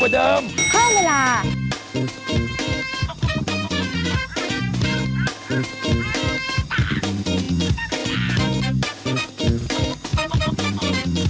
โด่งดังโด่งดัง